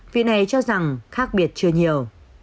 vị này cho rằng khác biệt chưa nhiều